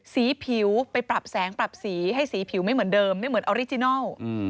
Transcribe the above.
สีผิวไปปรับแสงปรับสีให้สีผิวไม่เหมือนเดิมไม่เหมือนออริจินัล